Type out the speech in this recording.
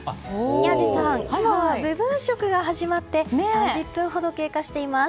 宮司さん、今は部分食が始まって３０分ほど経過しています。